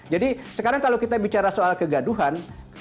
sekarang kalau kita bicara soal kegaduhan